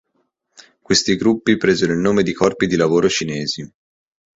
Questi gruppi presero il nome di Corpi di lavoro cinesi.